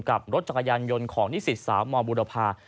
กับรถจักรยานยนต์ของนิสิตสาวมบุรพา